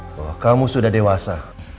karena kamu sudah dewasa